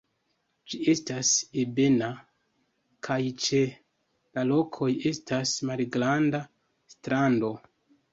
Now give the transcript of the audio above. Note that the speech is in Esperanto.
Ĝi estas ebena kaj ĉe la rokoj estas malgranda strando.